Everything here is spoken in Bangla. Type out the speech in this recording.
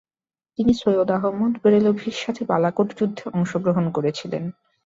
তিনি সৈয়দ আহমদ বেরলভির সাথে বালাকোট যুদ্ধে অংশগ্রহণ করেছিলেন।